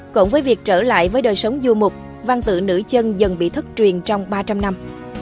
cộng với việc trở lại với đời sống du mục văn tự nữ chân dần bị thất truyền trong ba trăm linh năm